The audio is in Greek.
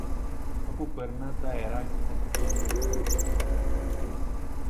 όπου περνά τ' αεράκι, τα παιδιά «μελετούν»